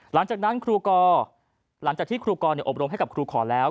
หลังจากที่ครูกรอบรมให้กับครูขอแล้ว